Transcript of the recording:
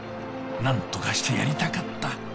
何とかしてやりたかった。